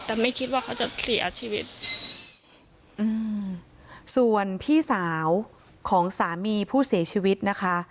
แต่ไม่คิดว่าเขาจะเสียชีวิตอืมส่วนพี่สาวของสามีผู้เสียชีวิตนะคะ